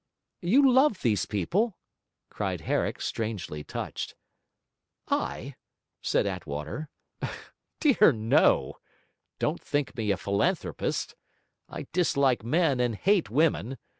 'You loved these people?' cried Herrick, strangely touched. 'I?' said Attwater. 'Dear no! Don't think me a philanthropist. I dislike men, and hate women.